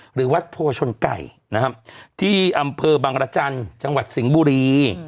หรือวัดโพชนไก่นะครับที่อำเภอบังรจันทร์จังหวัดสิงห์บุรี